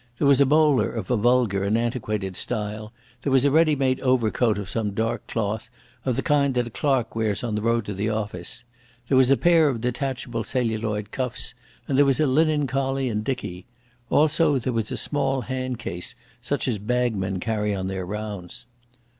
There was a bowler of a vulgar and antiquated style; there was a ready made overcoat of some dark cloth, of the kind that a clerk wears on the road to the office; there was a pair of detachable celluloid cuffs, and there was a linen collar and dickie. Also there was a small handcase, such as bagmen carry on their rounds.